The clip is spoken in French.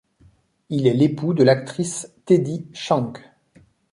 Il est l'époux de l'actrice Teddy Schaank.